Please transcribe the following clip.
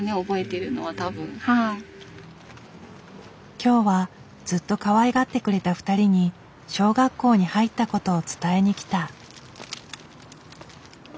今日はずっとかわいがってくれた２人に小学校に入ったことを伝えに来た。